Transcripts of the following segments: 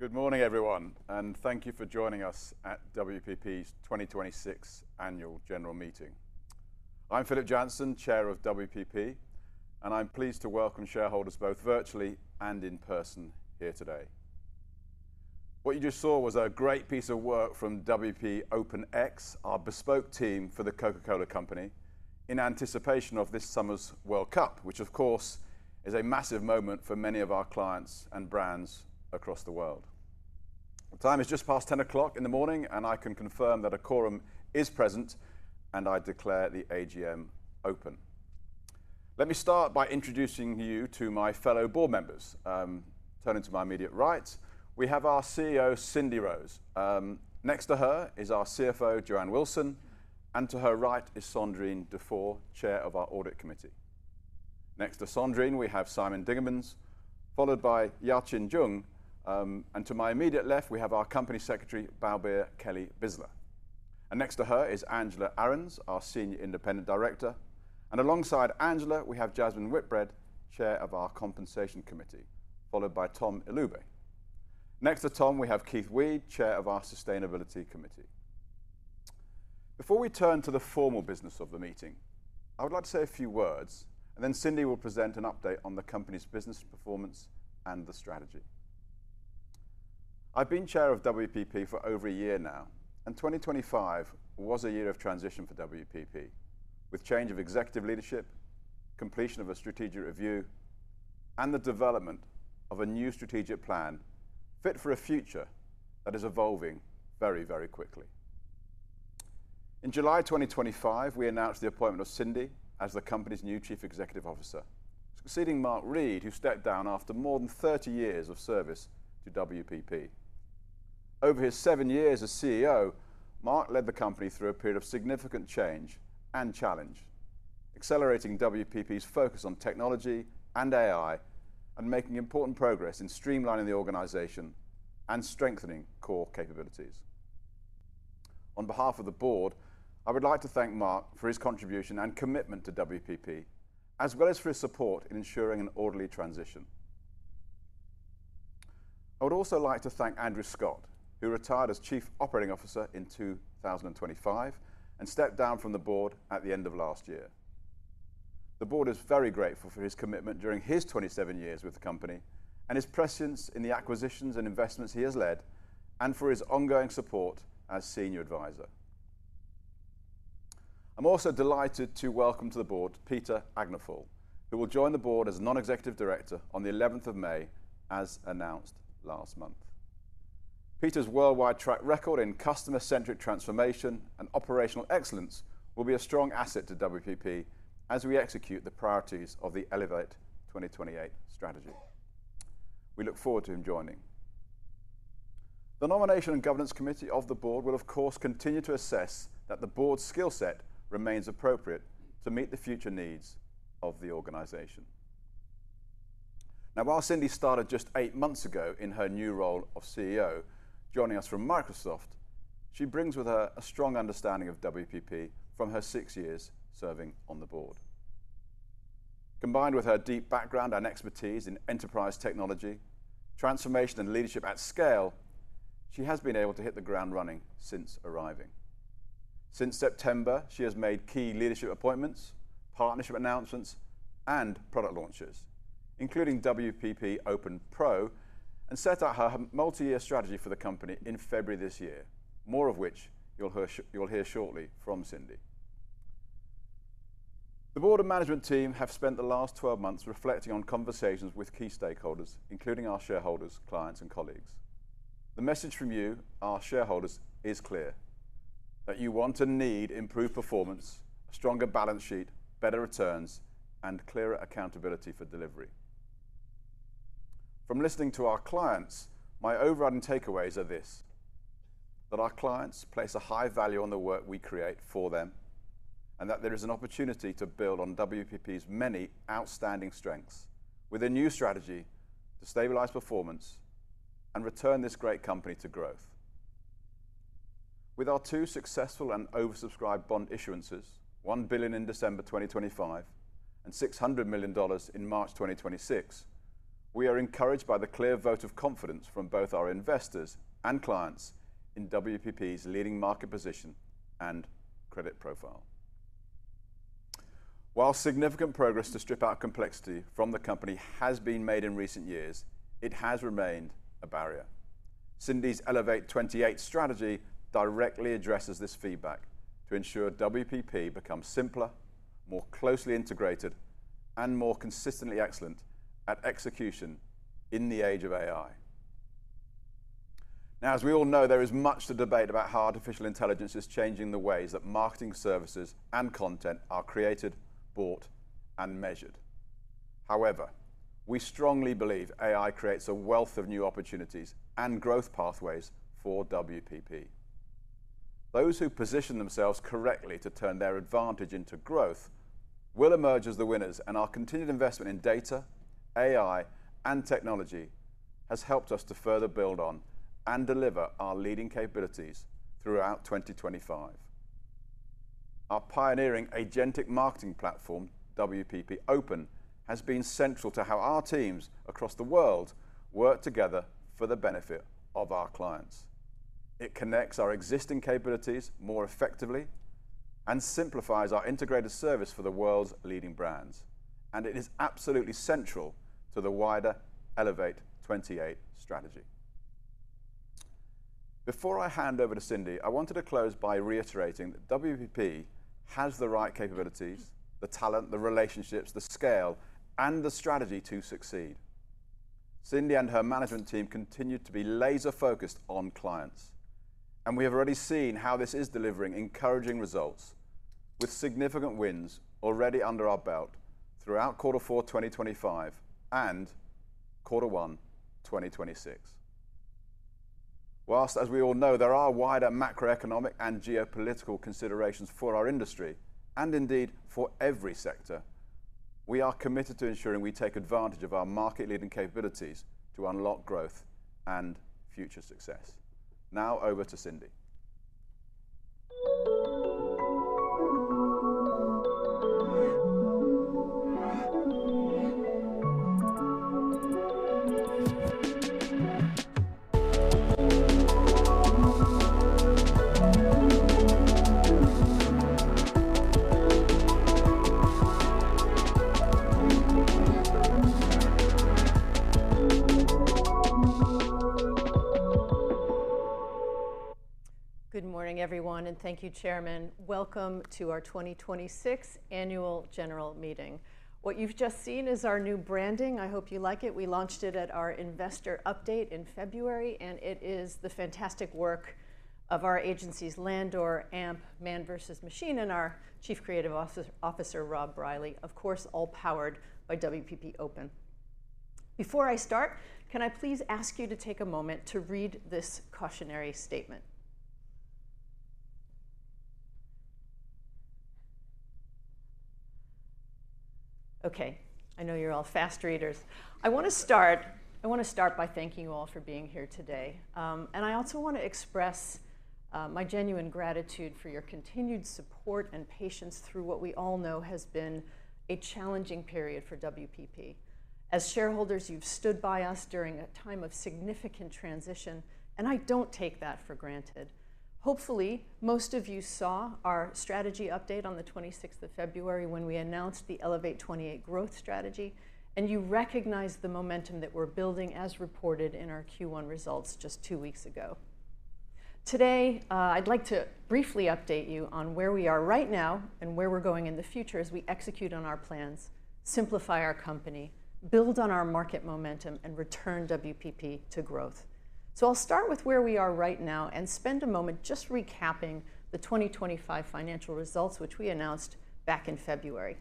Good morning, everyone. Thank you for joining us at WPP's 2026 Annual General Meeting. I'm Philip Jansen, Chair of WPP, and I'm pleased to welcome shareholders both virtually and in-person here today. What you just saw was a great piece of work from WPP Open X, our bespoke team for The Coca-Cola Company, in anticipation of this summer's World Cup, which of course, is a massive moment for many of our clients and brands across the world. The time is just past 10 o'clock in the morning, and I can confirm that a quorum is present, and I declare the AGM open. Let me start by introducing you to my fellow Board members. Turning to my immediate right, we have our CEO, Cindy Rose. Next to her is our CFO, Joanne Wilson, and to her right is Sandrine Dufour, Chair of our Audit Committee. Next to Sandrine Dufour, we have Simon Dingemans, followed by Ya-Qin Zhang. To my immediate left, we have our Company Secretary, Balbir Kelly-Bisla. Next to her is Angela Ahrendts, our Senior Independent Director. Alongside Angela, we have Jasmine Whitbread, Chair of our Compensation Committee, followed by Tom Ilube. Next to Tom, we have Keith Weed, Chair of our Sustainability Committee. Before we turn to the formal business of the meeting, I would like to say a few words, and then Cindy will present an update on the company's business performance and the strategy. I've been Chair of WPP for over a year now and 2025 was a year of transition for WPP, with change of executive leadership, completion of a strategic review, and the development of a new strategic plan fit for a future that is evolving very, very quickly. In July 2025, we announced the appointment of Cindy as the company's new Chief Executive Officer, succeeding Mark Read, who stepped down after more than 30 years of service to WPP. Over his seven years as CEO, Mark led the company through a period of significant change and challenge, accelerating WPP's focus on technology and AI and making important progress in streamlining the organization and strengthening core capabilities. On behalf of the Board, I would like to thank Mark for his contribution and commitment to WPP, as well as for his support in ensuring an orderly transition. I would also like to thank Andrew Scott, who retired as Chief Operating Officer in 2025 and stepped down from the Board at the end of last year. The Board is very grateful for his commitment during his 27 years with the company and his prescience in the acquisitions and investments he has led and for his ongoing support as senior advisor. I'm also delighted to welcome to the Board, Peter Agnefjäll, who will join the Board as a non-executive director on the 11th of May, as announced last month. Peter's worldwide track record in customer-centric transformation and operational excellence will be a strong asset to WPP as we execute the priorities of the Elevate28 strategy. We look forward to him joining. The Nomination and Governance Committee of the Board will of course continue to assess that the Board's skill set remains appropriate to meet the future needs of the organization. Now, while Cindy started just eight months ago in her new role of CEO, joining us from Microsoft, she brings with her a strong understanding of WPP from her six years serving on the Board. Combined with her deep background and expertise in enterprise technology, transformation and leadership at scale, she has been able to hit the ground running since arriving. Since September, she has made key leadership appointments, partnership announcements, and product launches, including WPP Open Pro, and set out her multi-year strategy for the company in February this year, more of which you'll hear shortly from Cindy. The Board of Management team have spent the last 12 months reflecting on conversations with key stakeholders, including our shareholders, clients, and colleagues. The message from you, our shareholders, is clear, that you want and need improved performance, a stronger balance sheet, better returns, and clearer accountability for delivery. From listening to our clients, my overriding takeaways are this: that our clients place a high value on the work we create for them, and that there is an opportunity to build on WPP's many outstanding strengths with a new strategy to stabilize performance and return this great company to growth. With our two successful and oversubscribed bond issuances, 1 billion in December 2025 and $600 million in March 2026, we are encouraged by the clear vote of confidence from both our investors and clients in WPP's leading market position and credit profile. While significant progress to strip out complexity from the company has been made in recent years, it has remained a barrier. Cindy's Elevate28 strategy directly addresses this feedback to ensure WPP becomes simpler, more closely integrated, and more consistently excellent at execution in the age of AI. Now, as we all know, there is much to debate about how artificial intelligence is changing the ways that marketing services and content are created, bought, and measured, however, we strongly believe AI creates a wealth of new opportunities and growth pathways for WPP. Those who position themselves correctly to turn their advantage into growth will emerge as the winners, and our continued investment in data, AI, and technology has helped us to further build on and deliver our leading capabilities throughout 2025. Our pioneering agentic marketing platform, WPP Open, has been central to how our teams across the world work together for the benefit of our clients. It connects our existing capabilities more effectively and simplifies our integrated service for the world's leading brands and it is absolutely central to the wider Elevate28 strategy. Before I hand over to Cindy, I wanted to close by reiterating that WPP has the right capabilities, the talent, the relationships, the scale, and the strategy to succeed. Cindy and her management team continue to be laser-focused on clients. We have already seen how this is delivering encouraging results with significant wins already under our belt throughout quarter four, 2025 and quarter one, 2026. As we all know, there are wider macroeconomic and geopolitical considerations for our industry, and indeed for every sector, we are committed to ensuring we take advantage of our market-leading capabilities to unlock growth and future success. Now over to Cindy. Good morning, everyone, and thank you, Chairman. Welcome to our 2026 Annual General Meeting. What you've just seen is our new branding. I hope you like it. We launched it at our investor update in February. It is the fantastic work of our agencies Landor & ManvsMachine, and our Chief Creative Officer, Rob Reilly. Of course, all powered by WPP Open. Before I start, can I please ask you to take a moment to read this cautionary statement? Okay, I know you're all fast readers. I wanna start by thanking you all for being here today. I also wanna express my genuine gratitude for your continued support and patience through what we all know has been a challenging period for WPP. As shareholders, you've stood by us during a time of significant transition and I don't take that for granted. Hopefully, most of you saw our strategy update on the 26th of February when we announced the Elevate28 growth strategy, and you recognize the momentum that we're building as reported in our Q1 results just two weeks ago. Today, I'd like to briefly update you on where we are right now and where we're going in the future as we execute on our plans, simplify our company, build on our market momentum, and return WPP to growth. I'll start with where we are right now and spend a moment just recapping the 2025 financial results, which we announced back in February.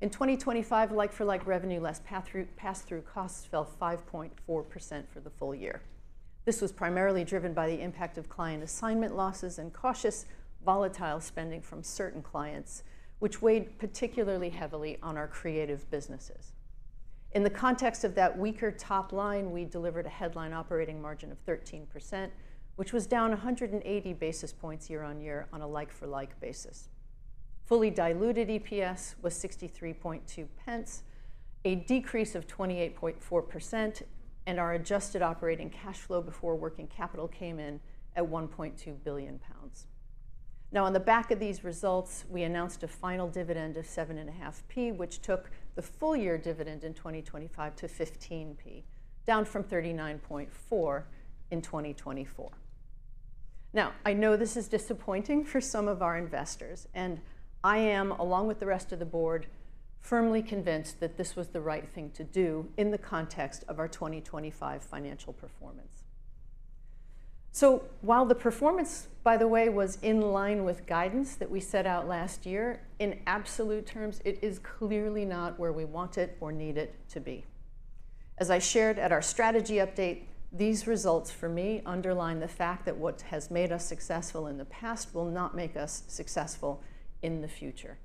In 2025, like-for-like revenue, less pass-through costs fell 5.4% for the full year. This was primarily driven by the impact of client assignment losses and cautious volatile spending from certain clients, which weighed particularly heavily on our creative businesses. In the context of that weaker top line, we delivered a headline operating margin of 13%, which was down 180 basis points year-on-year on a like-for-like basis. Fully diluted EPS was 0.632, a decrease of 28.4%, and our adjusted operating cash flow before working capital came in at 1.2 billion pounds. Now on the back of these results, we announced a final dividend of 0.075, which took the full-year dividend in 2025 to 0.15, down from 0.394 in 2024. Now I know this is disappointing for some of our investors, and I am, along with the rest of the Board, firmly convinced that this was the right thing to do in the context of our 2025 financial performance. While the performance, by the way, was in line with guidance that we set out last year, in absolute terms, it is clearly not where we want it or need it to be. As I shared at our strategy update, these results for me underline the fact that what has made us successful in the past will not make us successful in the future.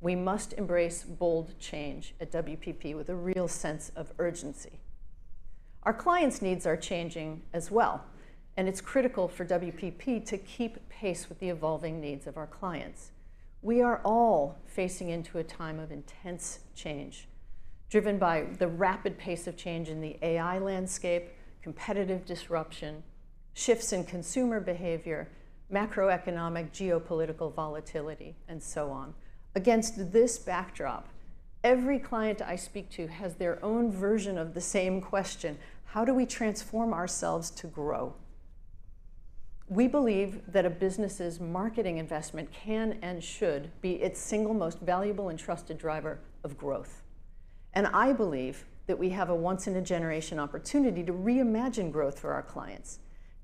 We must embrace bold change at WPP with a real sense of urgency. Our clients' needs are changing as well, and it's critical for WPP to keep pace with the evolving needs of our clients. We are all facing into a time of intense change, driven by the rapid pace of change in the AI landscape, competitive disruption, shifts in consumer behavior, macroeconomic geopolitical volatility, and so on. Against this backdrop, every client I speak to has their own version of the same question: how do we transform ourselves to grow? We believe that a business's marketing investment can and should be its single most valuable and trusted driver of growth and I believe that we have a once-in-a-generation opportunity to reimagine growth for our clients.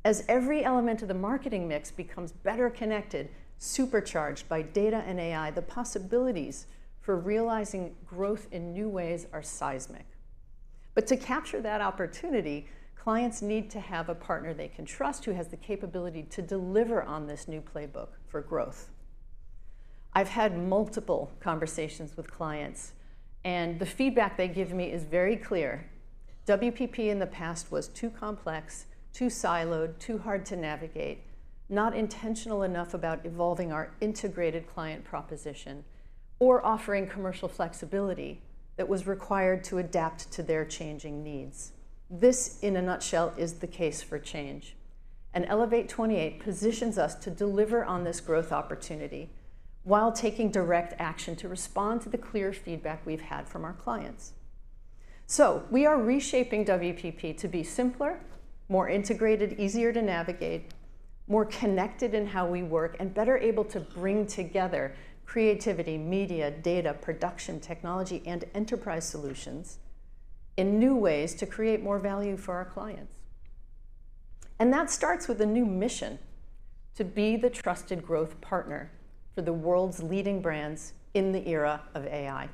As every element of the marketing mix becomes better connected, supercharged by data and AI, the possibilities for realizing growth in new ways are seismic. To capture that opportunity, clients need to have a partner they can trust who has the capability to deliver on this new playbook for growth. I've had multiple conversations with clients, and the feedback they give me is very clear. WPP in the past was too complex, too siloed, too hard to navigate, not intentional enough about evolving our integrated client proposition or offering commercial flexibility that was required to adapt to their changing needs. This, in a nutshell, is the case for change and Elevate28 positions us to deliver on this growth opportunity while taking direct action to respond to the clear feedback we've had from our clients. We are reshaping WPP to be simpler, more integrated, easier to navigate, more connected in how we work, and better able to bring together creativity, media, data, production, technology, and enterprise solutions in new ways to create more value for our clients. That starts with a new mission to be the trusted growth partner for the world's leading brands in the era of AI.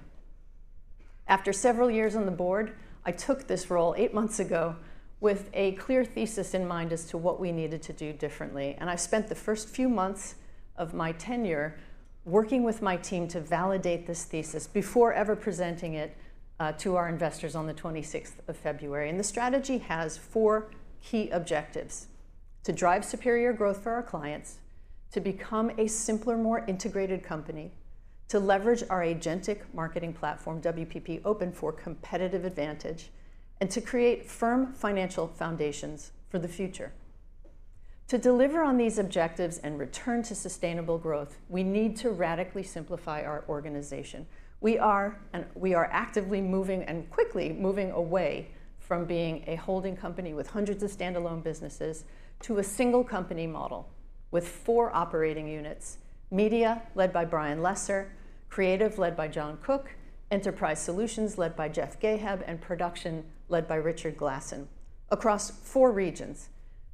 After several years on the Board, I took this role eight months ago with a clear thesis in mind as to what we needed to do differently. I spent the first few months of my tenure working with my team to validate this thesis before ever presenting it to our investors on the 26th of February. The strategy has four key objectives: to drive superior growth for our clients, to become a simpler, more integrated company, to leverage our agentic marketing platform, WPP Open, for competitive advantage, and to create firm financial foundations for the future. To deliver on these objectives and return to sustainable growth, we need to radically simplify our organization. We are actively moving and quickly moving away from being a holding company with hundreds of standalone businesses to a single company model with four operating units, media led by Brian Lesser, creative led by Jon Cook, enterprise solutions led by Jeff Geheb, and production led by Richard Glasson, across four regions,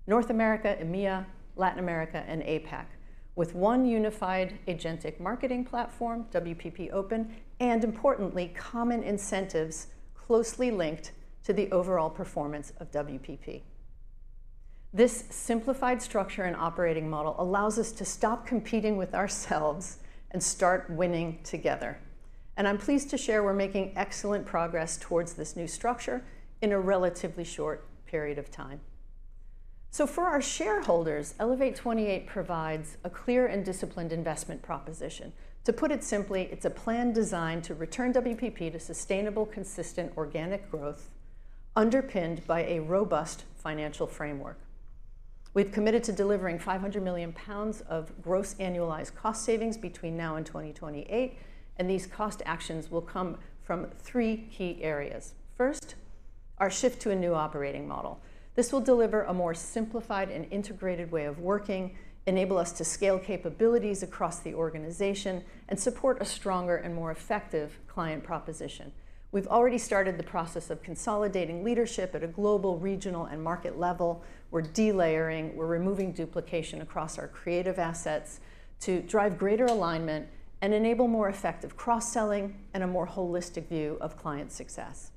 North America, EMEA, Latin America, and APAC, with one unified agentic marketing platform, WPP Open, and importantly, common incentives closely linked to the overall performance of WPP. This simplified structure and operating model allows us to stop competing with ourselves and start winning together. I'm pleased to share we're making excellent progress towards this new structure in a relatively short period of time. For our shareholders, Elevate28 provides a clear and disciplined investment proposition. To put it simply, it's a plan designed to return WPP to sustainable, consistent organic growth underpinned by a robust financial framework. We've committed to delivering 500 million pounds of gross annualized cost savings between now and 2028, and these cost actions will come from three key areas. First, our shift to a new operating model. This will deliver a more simplified and integrated way of working, enable us to scale capabilities across the organization, and support a stronger and more effective client proposition. We've already started the process of consolidating leadership at a global, regional, and market level. We're delayering, we're removing duplication across our creative assets to drive greater alignment and enable more effective cross-selling and a more holistic view of client success.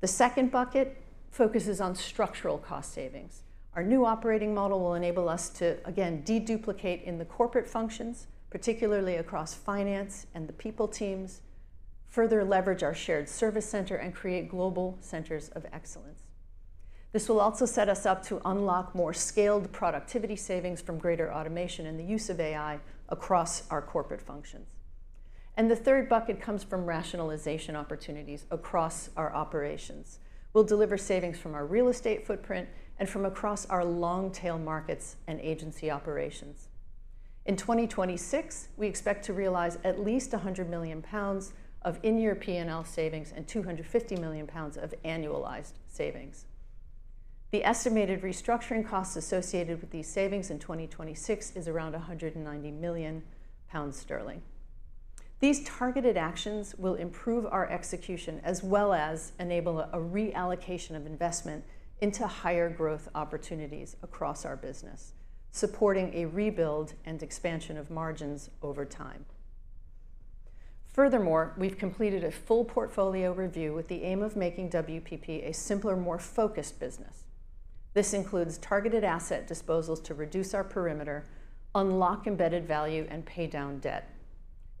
The second bucket focuses on structural cost savings. Our new operating model will enable us to, again, deduplicate in the corporate functions, particularly across finance and the people teams, further leverage our shared service center, and create global centers of excellence. This will also set us up to unlock more scaled productivity savings from greater automation and the use of AI across our corporate functions. The third bucket comes from rationalization opportunities across our operations. We'll deliver savings from our real estate footprint and from across our long-tail markets and agency operations. In 2026, we expect to realize at least 100 million pounds of in-year P&L savings and 250 million pounds of annualized savings. The estimated restructuring costs associated with these savings in 2026 is around 190 million pounds. These targeted actions will improve our execution as well as enable a reallocation of investment into higher growth opportunities across our business, supporting a rebuild and expansion of margins over time. Furthermore, we've completed a full portfolio review with the aim of making WPP a simpler, more focused business. This includes targeted asset disposals to reduce our perimeter, unlock embedded value, and pay down debt,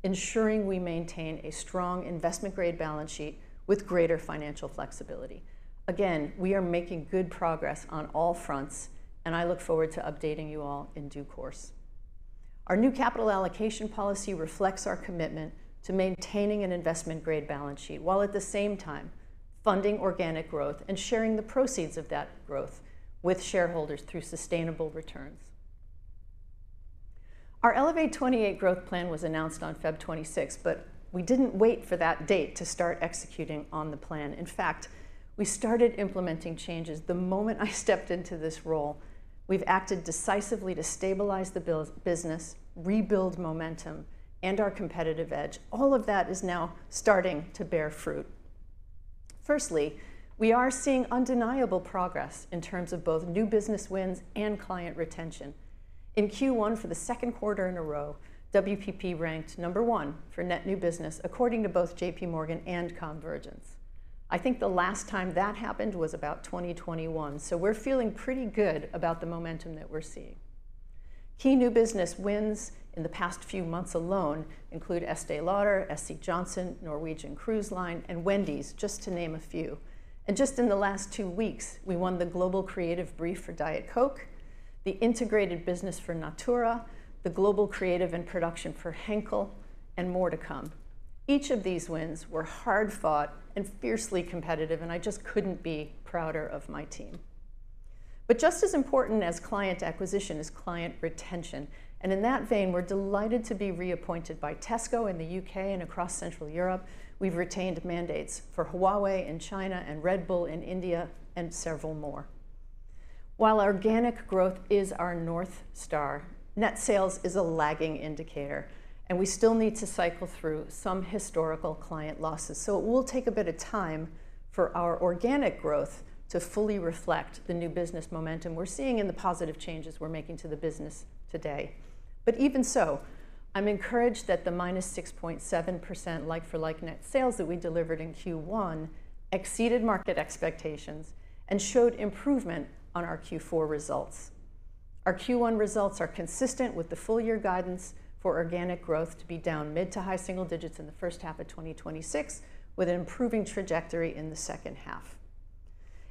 ensuring we maintain a strong investment-grade balance sheet with greater financial flexibility. Again, we are making good progress on all fronts, and I look forward to updating you all in due course. Our new capital allocation policy reflects our commitment to maintaining an investment-grade balance sheet while at the same time funding organic growth and sharing the proceeds of that growth with shareholders through sustainable returns. Our Elevate28 growth plan was announced on Feb 26, we didn't wait for that date to start executing on the plan. In fact, we started implementing changes the moment I stepped into this role. We've acted decisively to stabilize the business, rebuild momentum, and our competitive edge. All of that is now starting to bear fruit. Firstly, we are seeing undeniable progress in terms of both new business wins and client retention. In Q1, for the second quarter in a row, WPP ranked number one for net new business according to both JPMorgan and COMvergence. I think the last time that happened was about 2021, we're feeling pretty good about the momentum that we're seeing. Key new business wins in the past few months alone include Estée Lauder, S.C. Johnson, Norwegian Cruise Line, and Wendy's, just to name a few. Just in the last two weeks, we won the global creative brief for Diet Coke, the integrated business for Natura, the global creative and production for Henkel, and more to come. Each of these wins were hard-fought and fiercely competitive, and I just couldn't be prouder of my team. Just as important as client acquisition is client retention. In that vein, we're delighted to be reappointed by Tesco in the U.K. and across central Europe. We've retained mandates for Huawei in China and Red Bull in India, and several more. While organic growth is our North Star, net sales is a lagging indicator, and we still need to cycle through some historical client losses. It will take a bit of time for our organic growth to fully reflect the new business momentum we're seeing and the positive changes we're making to the business today. Even so, I'm encouraged that the -6.7% like-for-like net sales that we delivered in Q1 exceeded market expectations and showed improvement on our Q4 results. Our Q1 results are consistent with the full year guidance for organic growth to be down mid to high single digits in the first half of 2026, with an improving trajectory in the second half.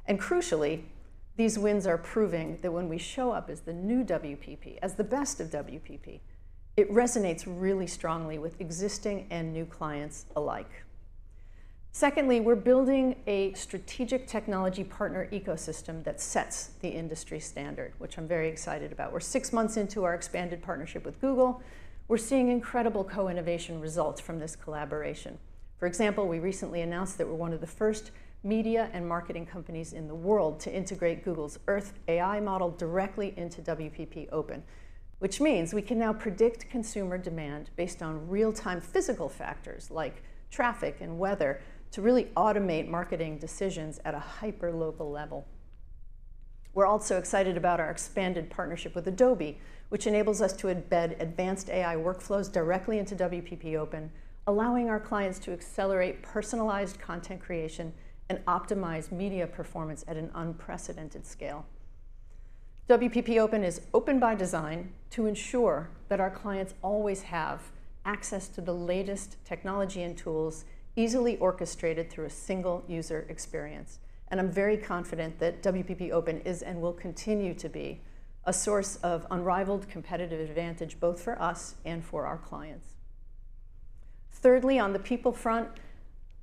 Crucially, these wins are proving that when we show up as the new WPP, as the best of WPP, it resonates really strongly with existing and new clients alike. Secondly, we're building a strategic technology partner ecosystem that sets the industry standard, which I'm very excited about. We're six months into our expanded partnership with Google. We're seeing incredible co-innovation results from this collaboration. For example, we recently announced that we're one of the first media and marketing companies in the world to integrate Google Earth's AI model directly into WPP Open, which means we can now predict consumer demand based on real-time physical factors like traffic and weather to really automate marketing decisions at a hyper-local level. We're also excited about our expanded partnership with Adobe, which enables us to embed advanced AI workflows directly into WPP Open, allowing our clients to accelerate personalized content creation and optimize media performance at an unprecedented scale. WPP Open is open by design to ensure that our clients always have access to the latest technology and tools easily orchestrated through a single user experience and I'm very confident that WPP Open is and will continue to be a source of unrivaled competitive advantage, both for us and for our clients. Thirdly, on the people front,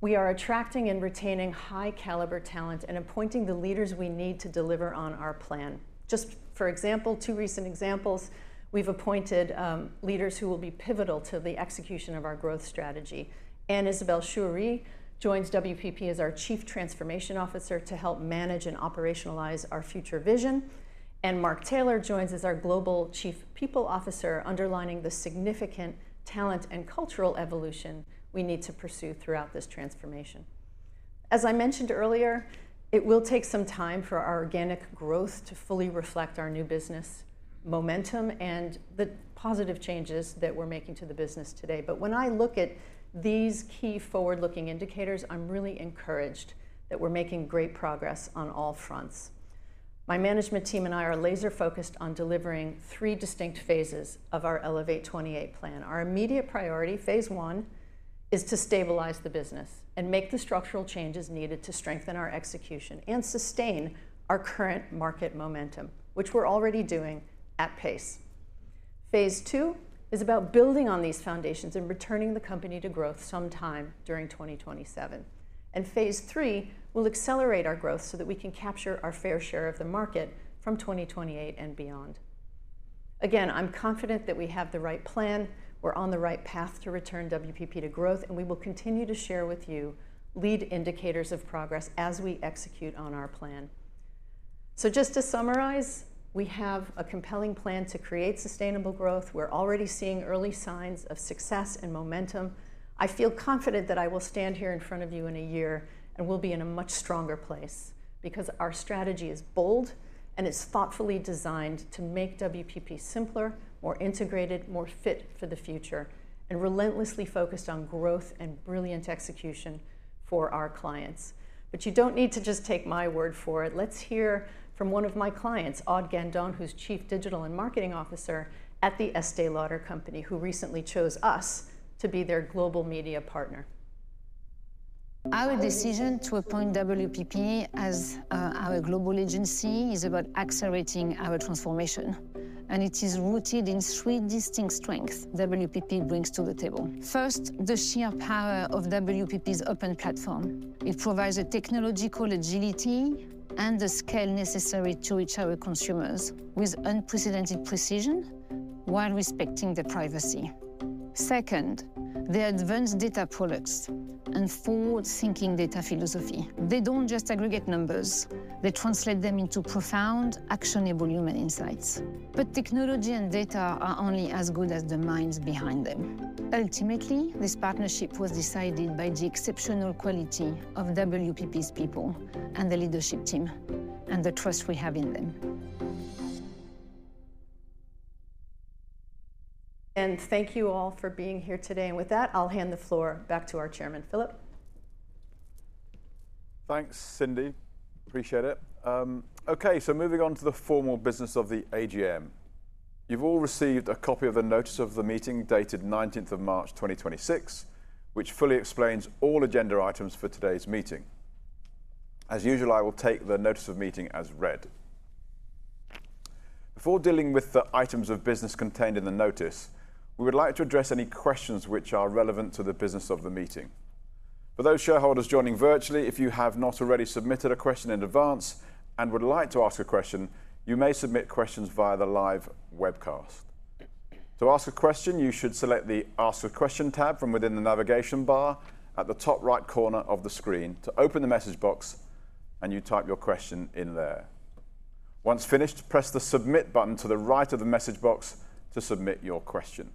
we are attracting and retaining high caliber talent and appointing the leaders we need to deliver on our plan. Just for example, two recent examples, we've appointed leaders who will be pivotal to the execution of our growth strategy. Anne-Isabelle Choueiri joins WPP as our Chief Transformation Officer to help manage and operationalize our future vision. Mark Taylor joins as our Global Chief People Officer, underlining the significant talent and cultural evolution we need to pursue throughout this transformation. As I mentioned earlier, it will take some time for our organic growth to fully reflect our new business momentum and the positive changes that we're making to the business today. When I look at these key forward-looking indicators, I'm really encouraged that we're making great progress on all fronts. My management team and I are laser focused on delivering three distinct phases of our Elevate28 plan. Our immediate priority, Phase 1, is to stabilize the business and make the structural changes needed to strengthen our execution and sustain our current market momentum, which we're already doing at pace. Phase 2 is about building on these foundations and returning the company to growth sometime during 2027 and Phase 3 will accelerate our growth so that we can capture our fair share of the market from 2028 and beyond. Again, I'm confident that we have the right plan, we're on the right path to return WPP to growth, and we will continue to share with you lead indicators of progress as we execute on our plan. Just to summarize, we have a compelling plan to create sustainable growth. We're already seeing early signs of success and momentum. I feel confident that I will stand here in front of you in a year, and we'll be in a much stronger place because our strategy is bold and it's thoughtfully designed to make WPP simpler, more integrated, more fit for the future, and relentlessly focused on growth and brilliant execution for our clients. You don't need to just take my word for it. Let's hear from one of my clients, Aude Gandon, who's Chief Digital and Marketing Officer at The Estée Lauder Company, who recently chose us to be their global media partner. Our decision to appoint WPP as our global agency is about accelerating our transformation, and it is rooted in three distinct strengths WPP brings to the table. First, the sheer power of WPP's open platform. It provides a technological agility and the scale necessary to reach our consumers with unprecedented precision while respecting their privacy. Second, their advanced data products and forward-thinking data philosophy. They don't just aggregate numbers, they translate them into profound, actionable human insights. Technology and data are only as good as the minds behind them. Ultimately, this partnership was decided by the exceptional quality of WPP's people and the leadership team, and the trust we have in them. Thank you all for being here today. With that, I'll hand the floor back to our Chairman, Philip. Thanks, Cindy. Appreciate it. Okay, moving on to the formal business of the AGM. You've all received a copy of the notice of the meeting dated 19th of March, 2026, which fully explains all agenda items for today's meeting. As usual, I will take the notice of meeting as read. Before dealing with the items of business contained in the notice, we would like to address any questions which are relevant to the business of the meeting. For those shareholders joining virtually, if you have not already submitted a question in advance and would like to ask a question, you may submit questions via the live webcast. To ask a question, you should select the Ask a Question tab from within the navigation bar at the top right corner of the screen to open the message box, and you type your question in there. Once finished, press the Submit button to the right of the message box to submit your question.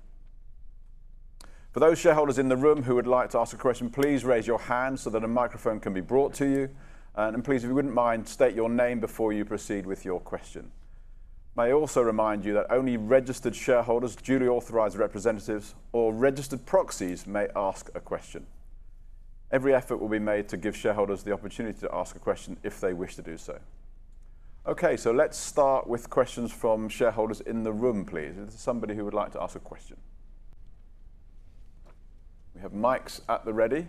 For those shareholders in the room who would like to ask a question, please raise your hand so that a microphone can be brought to you. Please, if you wouldn't mind, state your name before you proceed with your question. May I also remind you that only registered shareholders, duly authorized representatives, or registered proxies may ask a question. Every effort will be made to give shareholders the opportunity to ask a question if they wish to do so. Okay, so let's start with questions from shareholders in the room, please. Is there somebody who would like to ask a question? We have mics at the ready.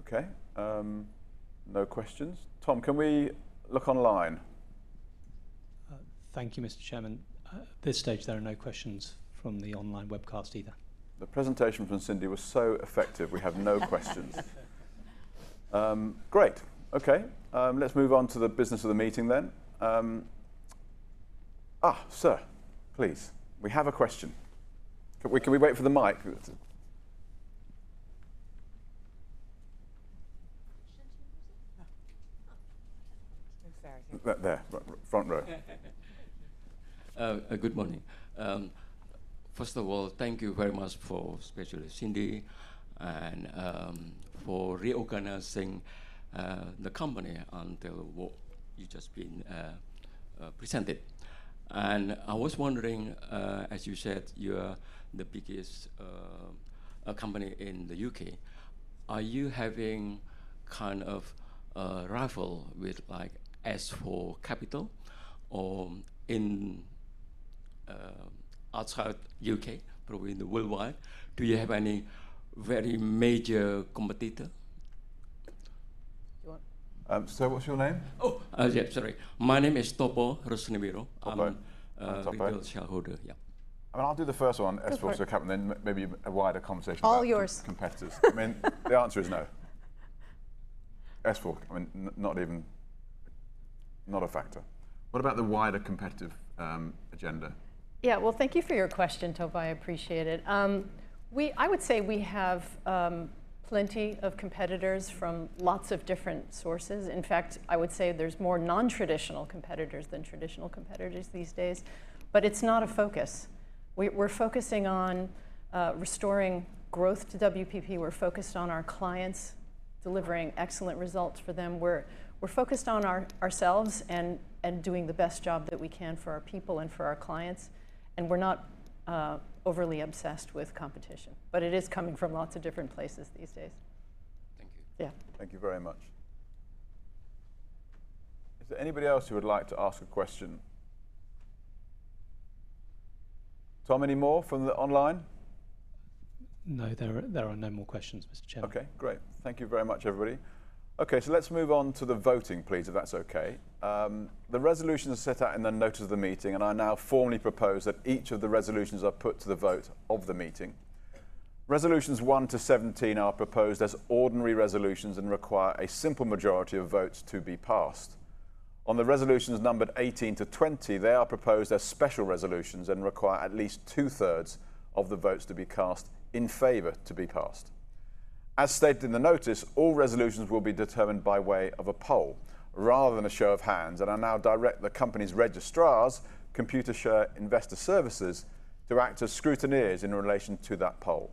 Okay, no questions. Tom, can we look online? Thank you, Mr. Chairman. At this stage, there are no questions from the online webcast either. The presentation from Cindy was so effective, we have no questions. Great. Okay. Let's move on to the business of the meeting. Sir, please. We have a question. Can we wait for the mike, please? Shouldn't she? No. Exactly. You go there. Front row. Good morning. First of all, thank you very much for, especially Cindy, and for reorganizing the company onto what you've just been presented. I was wondering, as you said, you are the biggest company in the U.K. Are you having kind of a rival with, like, S4 Capital, or in outside U.K., probably in the worldwide, do you have any very major competitor? Do you want? Sir, what's your name? Yeah, sorry. My name is Topo Rusnibiro. Topo. I'm a retail shareholder. Yeah. I mean, I'll do the first one. Sure. S4 Capital, and then maybe a wider conversation about. All yours. Competitors. I mean, the answer is no. S4, I mean, Not a factor. What about the wider competitive agenda? Yeah. Well, thank you for your question, Topo, I appreciate it. I would say we have plenty of competitors from lots of different sources. In fact, I would say there's more non-traditional competitors than traditional competitors these days, but it's not a focus. We're focusing on restoring growth to WPP. We're focused on our clients, delivering excellent results for them. We're focused on ourselves and doing the best job that we can for our people and for our clients, and we're not overly obsessed with competition. It is coming from lots of different places these days. Thank you. Yeah. Thank you very much. Is there anybody else who would like to ask a question? Tom, any more from the online? No, there are no more questions, Mr. Chairman. Great. Thank you very much, everybody. Let's move on to the voting, please, if that's okay. The resolutions are set out in the notice of the meeting, and I now formally propose that each of the resolutions are put to the vote of the meeting. Resolutions 1 to 17 are proposed as ordinary resolutions and require a simple majority of votes to be passed. On the resolutions numbered 18 to 20, they are proposed as special resolutions and require at least 2/3 of the votes to be cast in favor. As stated in the notice, all resolutions will be determined by way of a poll rather than a show of hands, and I now direct the company's registrars, Computershare Investor Services, to act as scrutineers in relation to that poll.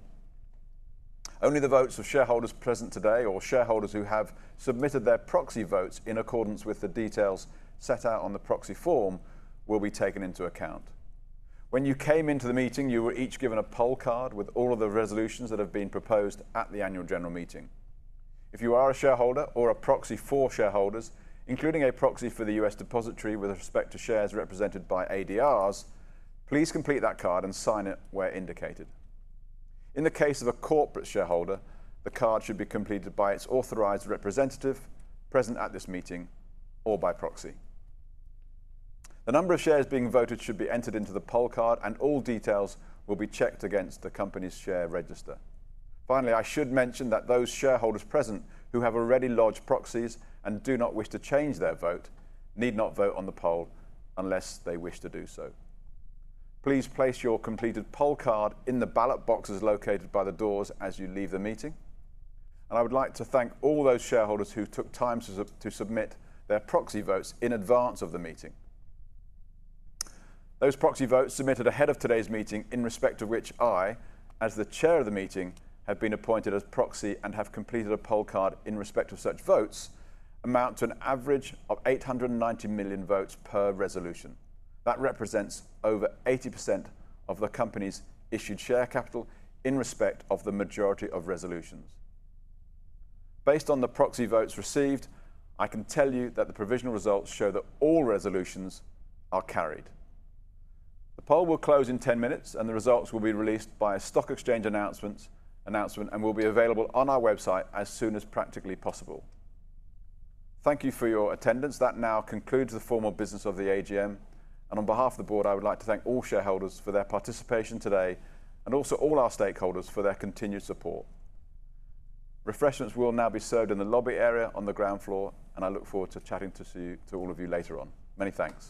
Only the votes of shareholders present today, or shareholders who have submitted their proxy votes in accordance with the details set out on the proxy form, will be taken into account. When you came into the meeting, you were each given a poll card with all of the resolutions that have been proposed at the Annual General Meeting. If you are a shareholder or a proxy for shareholders, including a proxy for the U.S. depositary with respect to shares represented by ADRs, please complete that card and sign it where indicated. In the case of a corporate shareholder, the card should be completed by its authorized representative present at this meeting, or by proxy. The number of shares being voted should be entered into the poll card, and all details will be checked against the company's share register. Finally, I should mention that those shareholders present who have already lodged proxies and do not wish to change their vote need not vote on the poll unless they wish to do so. Please place your completed poll card in the ballot boxes located by the doors as you leave the meeting. I would like to thank all those shareholders who took time to submit their proxy votes in advance of the meeting. Those proxy votes submitted ahead of today's meeting in respect of which I, as the chair of the meeting, have been appointed as proxy and have completed a poll card in respect of such votes amount to an average of 890 million votes per resolution. That represents over 80% of the company's issued share capital in respect of the majority of resolutions. Based on the proxy votes received, I can tell you that the provisional results show that all resolutions are carried. The poll will close in 10 minutes, and the results will be released by a stock exchange announcement, and will be available on our website as soon as practically possible. Thank you for your attendance. That now concludes the formal business of the AGM. On behalf of the Board, I would like to thank all shareholders for their participation today, and also all our stakeholders for their continued support. Refreshments will now be served in the lobby area on the ground floor, and I look forward to chatting to all of you later on. Many thanks.